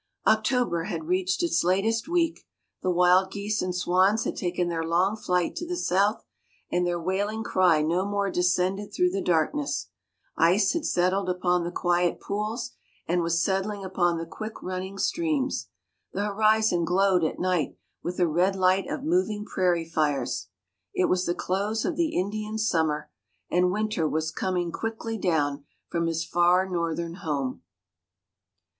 October had reached its latest week; the wild geese and swans had taken their long flight to the south, and their wailing cry no more descended through the darkness; ice had settled upon the quiet pools and was settling upon the quick running streams; the horizon glowed at night with the red light of moving prairie fires. It was the close of the Indian Summer, and Winter was coming quickly down, from his far northern home.